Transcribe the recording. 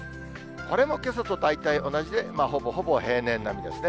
これもけさと大体同じで、ほぼほぼ平年並みですね。